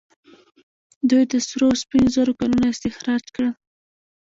دوی د سرو او سپینو زرو کانونه استخراج کړل